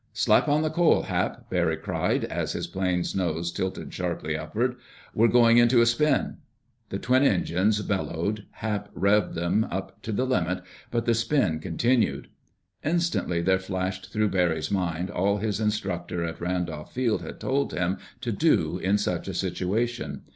"Slap on the coal, Hap!" Barry cried, as his plane's nose tilted sharply upward. "We're going into a spin." The twin engines bellowed. Hap "revved" them up to the limit, but the spin continued. Instantly there flashed through Barry's mind all his instructor at Randolph had told him to do in such a situation.